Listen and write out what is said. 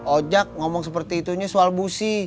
ojak ngomong seperti itunya soal busi